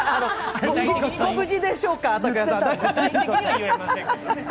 「ご無事でしょうか」とか。